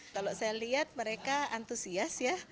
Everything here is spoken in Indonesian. kalau saya lihat mereka antusias ya